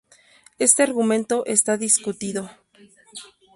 Este argumento está discutido.